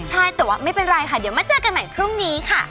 ใช่แต่ว่าไม่เป็นไรค่ะเดี๋ยวมาเจอกันใหม่พรุ่งนี้ค่ะ